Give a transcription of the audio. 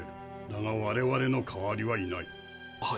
だが我々の代わりはいない。